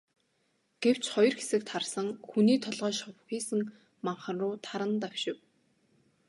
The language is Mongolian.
Гэвч хоёр хэсэг тасран, хүний толгой шовсхийсэн манхан руу таран давшив.